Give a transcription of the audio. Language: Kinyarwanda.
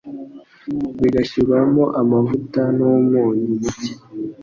bigashyirwamo amavuta n’umunyu muke,